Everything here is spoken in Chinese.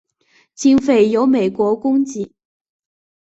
经费由美国供给。